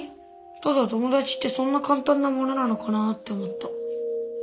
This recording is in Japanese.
ただともだちってそんなかんたんなものなのかなって思った。